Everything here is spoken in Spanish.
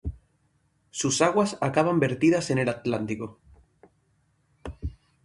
Sus aguas acaban vertidas en el Atlántico.